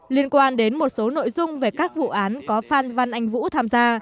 liên quan đến một số nội dung về các vụ án có phan văn anh vũ tham gia